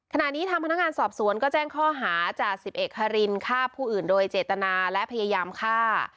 ทางพนักงานสอบสวนก็แจ้งข้อหาจ่าสิบเอกฮารินฆ่าผู้อื่นโดยเจตนาและพยายามฆ่า